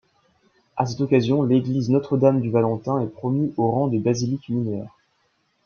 À cette occasion, l'église Notre-Dame du Valentin est promue au rang des basiliques mineures.